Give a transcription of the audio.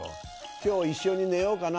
きょう一緒に寝ようかな。